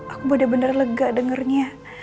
aku benar benar lega dengarnya